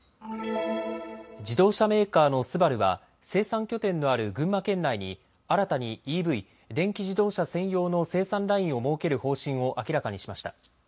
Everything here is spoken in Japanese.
自動車メーカーのＳＵＢＡＲＵは生産拠点のある群馬県内に新たにＥＶ・電気自動車専用の生産ラインを設ける方針を明らかにしました。